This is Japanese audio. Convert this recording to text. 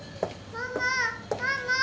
ママ。